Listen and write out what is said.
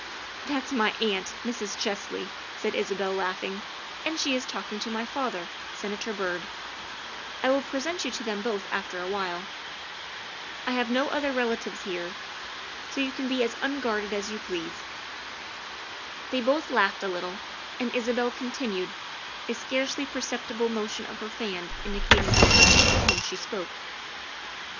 " That is my aunt, Mrs. Chesley," said Isabel, laugh ing, '' and she is talking to my father, Senator Byrd ; I will present you to them both after awhile. I have no other relatives here, so you can be as unguarded as you please." They both laughed a little, and Isabel continued, a scarcely perceptible motion of her fan indicating the person of whom she spoke.